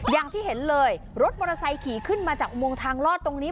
อย่างที่เห็นเลยรถมอเตอร์ไซค์ขี่ขึ้นมาจากอุโมงทางลอดตรงนี้